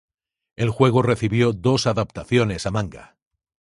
El juego recibió dos adaptaciones a manga.